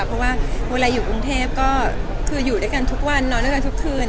เพราะว่าเวลาอยู่กรุงเทพก็คืออยู่ด้วยกันทุกวันนอนด้วยกันทุกคืน